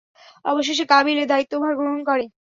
অবশেষে কাবীল এ দায়িত্বভার গ্রহণ করে।